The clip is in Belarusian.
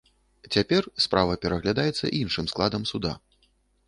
Цяпер справа пераглядаецца іншым складам суда.